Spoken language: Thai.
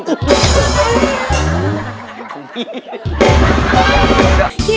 ของพี่